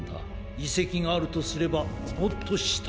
いせきがあるとすればもっとした。